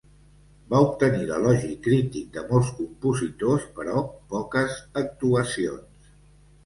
Va obtenir l'elogi crític de molts compositors però poques actuacions.